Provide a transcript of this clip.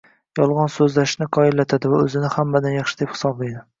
Yolg‘on so‘zlashni qoyillatadi va o‘zini hammadan yaxshi, deb hisoblaydi.